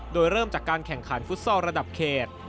โดยเริ่มจากการแข่งขันฟุตซอลระดับเขต